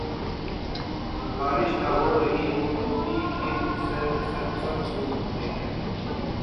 بارش نہ ہو رہی ہو تو بھی کھیت سرسبز ہو سکتے ہیں۔